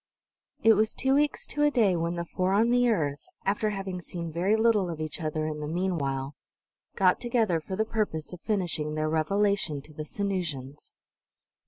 It was two weeks to a day when the four on the earth, after having seen very little of each other in the meanwhile, got together for the purpose of finishing their "revelation" to the Sanusians.